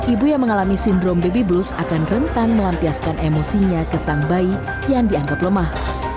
ibu yang mengalami sindrom baby blues akan rentan melampiaskan emosinya ke sang bayi yang dianggap lemah